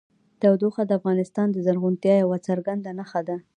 تودوخه د افغانستان د زرغونتیا یوه څرګنده نښه ده.